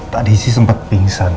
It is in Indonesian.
tadi sih sempet pingsan